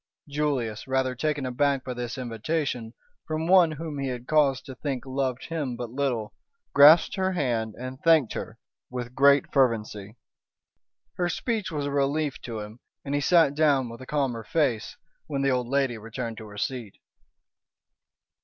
Julius, rather taken aback by this invitation from one whom he had cause to think loved him but little, grasped her hand and thanked her with great fervency. Her speech was a relief to him, and he sat down with a calmer face, when the old lady returned to her seat.